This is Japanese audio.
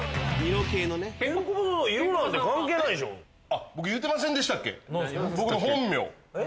あっ僕言うてませんでしたっけ。